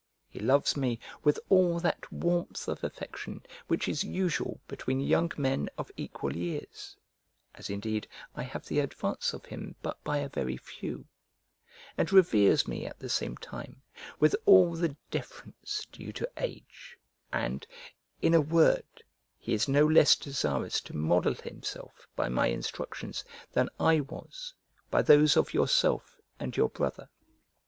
He loves me with all that warmth of affection which is usual between young men of equal years (as indeed I have the advance of him but by a very few), and reveres me at the same time, with all the deference due to age; and, in a word, he is no less desirous to model himself by my instructions than I was by those of yourself and your brother.